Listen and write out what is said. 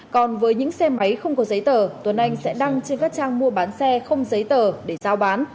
còn với những xe máy không có giấy tờ tuấn anh sẽ đăng trên các trang mua bán xe không giấy tờ để giao bán